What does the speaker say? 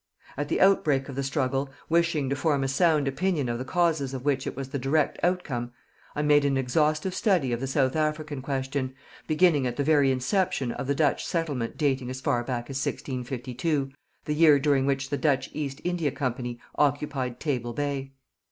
At the outbreak of the struggle, wishing to form a sound opinion of the causes of which it was the direct outcome, I made an exhaustive study of the South African question, beginning at the very inception of the Dutch settlement dating as far back as 1652, the year during which the Dutch East India Company occupied Table Bay.